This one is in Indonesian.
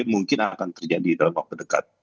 mungkin akan terjadi dalam waktu dekat